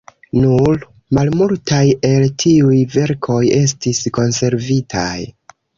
Nur malmultaj el tiuj verkoj estis konservitaj.